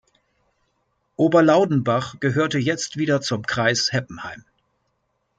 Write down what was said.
Ober-Laudenbach gehörte jetzt wieder zum Kreis Heppenheim.